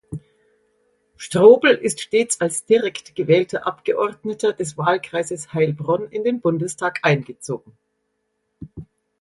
Strobl ist stets als direkt gewählter Abgeordneter des Wahlkreises Heilbronn in den Bundestag eingezogen.